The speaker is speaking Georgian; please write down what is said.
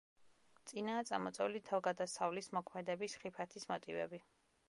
წინაა წამოწეული თავგადასავლის, მოქმედების, ხიფათის მოტივები.